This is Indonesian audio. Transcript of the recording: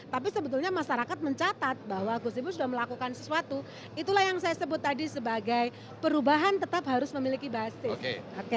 tapi sebetulnya masyarakat mencatat bahwa gus ipul sudah melakukan sesuatu itulah yang saya sebut tadi sebagai perubahan tetap harus memiliki basis